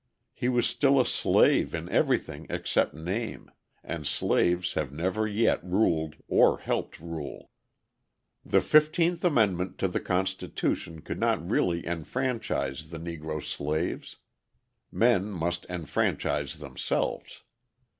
He was still a slave in everything except name, and slaves have never yet ruled, or helped rule. The XV Amendment to the Constitution could not really enfranchise the Negro slaves. Men must enfranchise themselves.